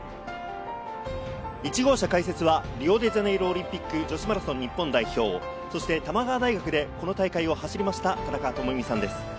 １号車解説はリオデジャネイロオリンピック・女子マラソン日本代表、そして玉川大学でこの大会を走りました田中智美さんです。